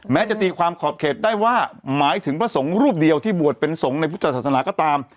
จะตีความขอบเขตได้ว่าหมายถึงพระสงฆ์รูปเดียวที่บวชเป็นสงฆ์ในพุทธศาสนาก็ตาม